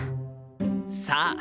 さあ！